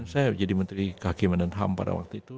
saya jadi menteri kehakiman dan ham pada waktu itu